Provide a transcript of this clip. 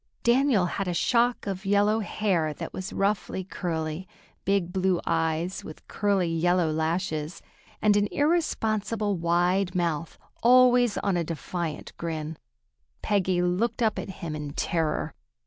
Daniel had a shock of yellow hair that was roughly curly, big blue eyes with curly yellow lashes, and an irresponsible wide mouth, always on a defiant grin. Peggy looked up at him in terror.